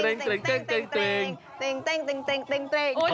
เตรงเตรงเตรงเตรงเตรงเตรง